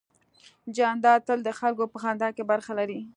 جانداد تل د خلکو په خندا کې برخه لري.